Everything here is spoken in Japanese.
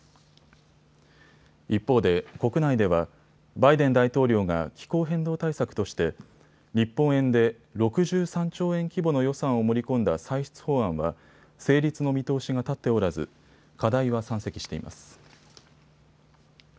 一方で国内ではバイデン大統領が気候変動対策として日本円で６３兆円規模の予算を盛り込んだ歳出法案は成立の見通しが立っておらず課題は山積しています。